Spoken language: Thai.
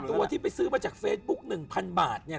ตัวที่ไปซื้อมาจากเฟซบุ๊ก๑๐๐๐บาทเนี่ย